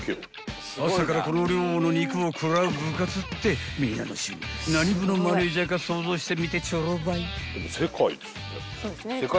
［朝からこの量の肉を食らう部活って皆の衆何部のマネージャーか想像してみてちょろばい］